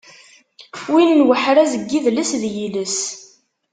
Win n uḥraz n yidles d yiles.